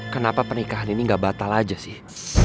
kenapa pernikahan ini gak batal aja sih